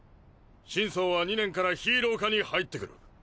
心操は２年からヒーロー科に入ってくる。